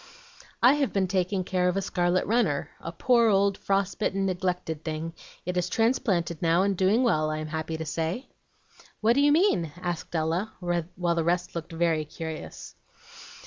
"I have been taking care of a scarlet runner, a poor old frost bitten, neglected thing; it is transplanted now, and doing well, I'm happy to say." "What do you mean?" asked Ella, while the rest looked very curious.